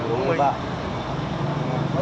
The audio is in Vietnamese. uống với bạn